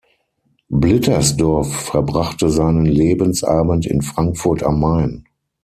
Blittersdorf verbrachte seinen Lebensabend in Frankfurt am Main.